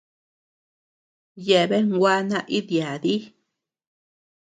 Yeabean gua naídii yádii.